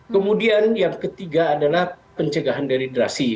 kemudian yang ketiga adalah pencegahan dari drasi